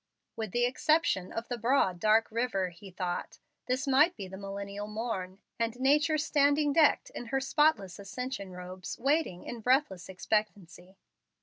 "With the exception of the broad dark river," he thought, "this might be the Millennial morn, and nature standing decked in her spotless ascension robes, waiting in breathless expectancy."